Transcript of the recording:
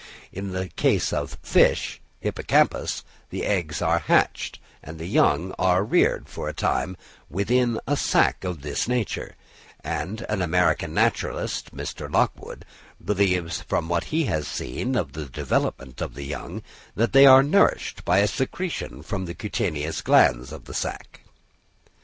In the case of the fish (Hippocampus) the eggs are hatched, and the young are reared for a time, within a sack of this nature; and an American naturalist, Mr. Lockwood, believes from what he has seen of the development of the young, that they are nourished by a secretion from the cutaneous glands of the sack.